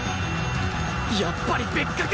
やっぱり別格！